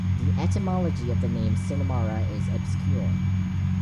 The etymology of the name "Sinmara" is obscure.